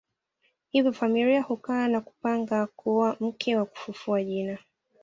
Hivyo familia hukaa na kupanga kuoa mke wa kufufua jina